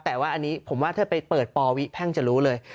แต่ว่าอันนี้ผมว่าถ้าไปเปิดปวิแพ่งจะรู้เลย